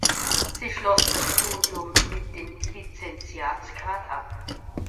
Sie schloss das Studium mit dem Lizenziats-Grad ab.